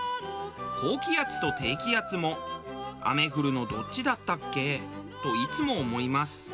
高気圧と低気圧も雨降るのどっちだったっけ？といつも思います。